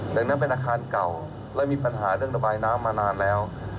ดังนั้นเป็นอาคารเก่าและมีปัญหาเรื่องระบายน้ำมานานแล้ว